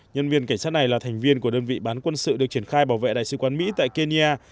nhân viên cảnh sát này là thành viên của đơn vị bán quân sự được triển khai bảo vệ đại sứ quán mỹ tại kenya